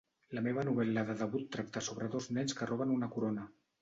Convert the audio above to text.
La meva novel·la de debut tracta sobre dos nens que roben una corona.